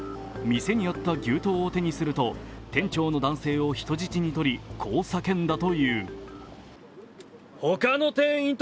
店にあった牛刀を手にすると店長の男性を人質にとり、こう叫んだという。